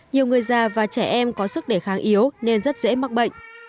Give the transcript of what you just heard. nhiều người già và trẻ em có sức đề kháng yếu nên rất dễ mắc bệnh